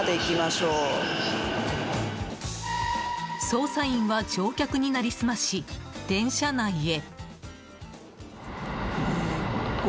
捜査員は乗客に成り済まし電車内へ。